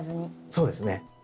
そうですね。